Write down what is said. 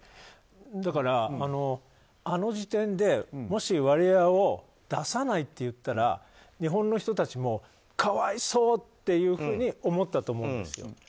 だから、あの時点でもしワリエワを出さないと言ったら日本の人たちも可哀想っていうふうに思ったと思うんです。